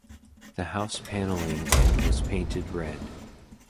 The house paneling and was painted red.